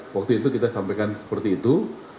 waktu itu kita sampaikan seperti itu